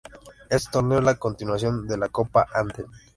Este torneo es la continuación de la Copa Antel.